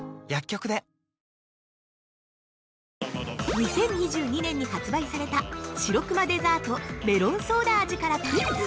◆２０２２年に発売された「白くまデザートメロンソーダ味」からクイズ。